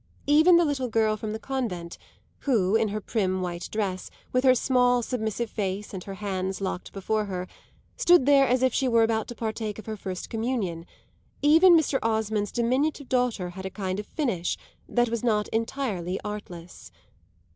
Even the little girl from the convent, who, in her prim white dress, with her small submissive face and her hands locked before her, stood there as if she were about to partake of her first communion, even Mr. Osmond's diminutive daughter had a kind of finish that was not entirely artless.